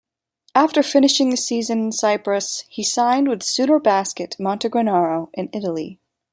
After finishing the season in Cyprus he signed with Sutor Basket Montegranaro in Italy.